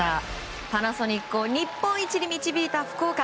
パナソニックを日本一に導いた福岡。